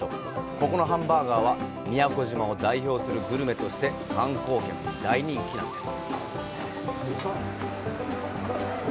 ここのハンバーガーは宮古島を代表するグルメとして観光客に大人気なんです。